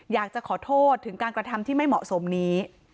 อยากจะขอโทษถึงการกระทำที่ไม่เหมาะสมนี้